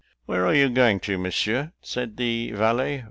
"Where are you going to, Monsieur?" said the valet.